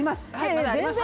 まだあります